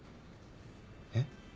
えっ？